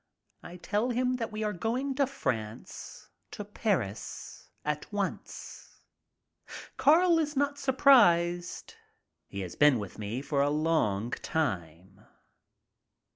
I tell him that we are going to France, to Paris, at once. Carl is not surprised. He has been with me for a long time.